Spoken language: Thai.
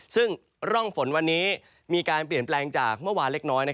ซึ่งร่องฝนวันนี้มีการเปลี่ยนแปลงจากเมื่อวานเล็กน้อย